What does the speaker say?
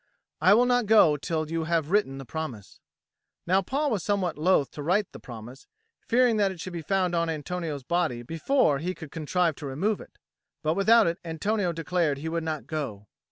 "I will not go till you have written the promise." Now Paul was somewhat loth to write the promise, fearing that it should be found on Antonio's body before he could contrive to remove it; but without it Antonio declared he would not go.